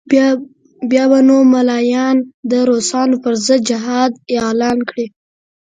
بیا به نو ملایان د روسانو پر ضد جهاد اعلان کړي.